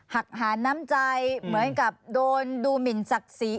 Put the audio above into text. หักหาน้ำใจเหมือนกับโดนดูหมินศักดิ์ศรี